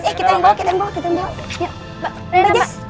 eh kita yang bawa